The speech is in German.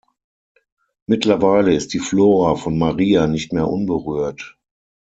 Mittlerweile ist die Flora von Maria nicht mehr unberührt.